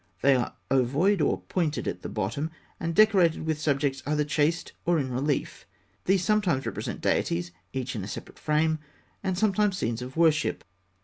They are ovoid or pointed at the bottom, and decorated with subjects either chased or in relief. These sometimes represent deities, each in a separate frame, and sometimes scenes of worship.